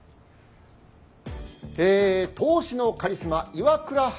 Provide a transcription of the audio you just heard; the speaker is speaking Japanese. え投資のカリスマ岩倉悠